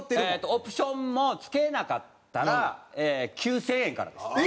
オプションも付けなかったら９０００円からです。